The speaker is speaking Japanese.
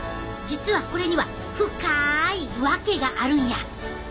実はこれには深いわけがあるんや！